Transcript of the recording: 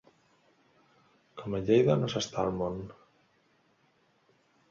Com a Lleida no s'està al món.